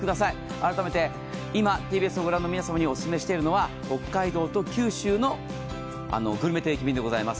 改めて今、ＴＢＳを御覧の皆さんにお勧めしているのは北海道と九州のグルメ定期便でございます。